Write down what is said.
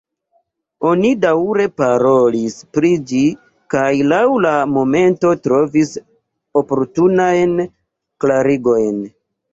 Oni daŭre parolis pri ĝi kaj laŭ la momento trovis oportunajn klarigojn.